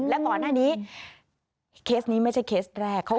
และก่อนหน้านี้เคสนี้ไม่ใช่เคสแรก